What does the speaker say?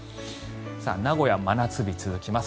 名古屋、真夏日続きます。